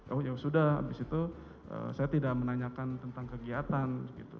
oh ya sudah abis itu saya tidak menanyakan tentang kegiatan gitu